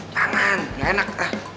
jangan gak enak